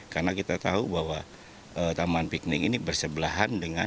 karena kita tahu bahwa taman piknik ini bersebelahan dengan